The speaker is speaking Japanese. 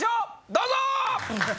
どうぞ！